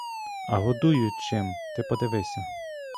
А годують чим, ти подивися!